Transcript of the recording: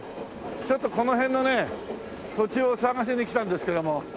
ちょっとこの辺のね土地を探しに来たんですけども。